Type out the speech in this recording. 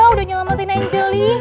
udah nyelamatin angel